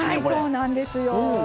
そうなんですよ。